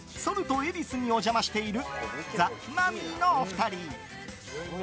恵比寿にお邪魔しているザ・マミィのお二人。